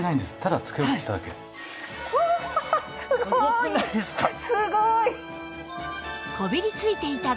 すごい！